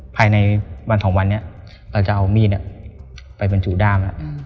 ภายในวันสองวันนี้เราจะเอามีดไปบรรจุด้ามแล้ว